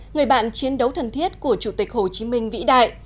người bạn chiến đấu thân thiết của chủ tịch hồ chí minh vĩ đại